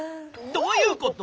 どういうこと？